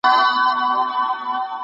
دا ونه د مریم د کور ده.